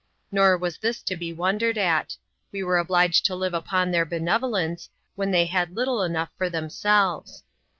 Nor was this to be wondered at ; we ^ere obliged to live upon their benevolence, when they had little enough for themselves.